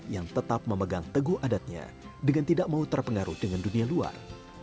yang tetap memegang teguh adatnya dengan tidak mau terpengaruh dengan dunia luar